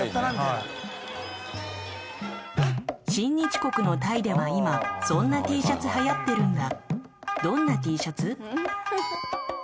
さあ「親日国のタイでは今そんなＴシャツ流行ってるんだ」